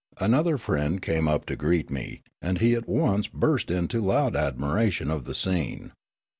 Another friend came up to greet me, and he at once burst into loud admiration of the scene.